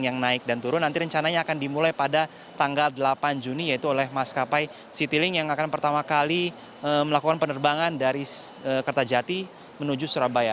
yang naik dan turun nanti rencananya akan dimulai pada tanggal delapan juni yaitu oleh maskapai citylink yang akan pertama kali melakukan penerbangan dari kertajati menuju surabaya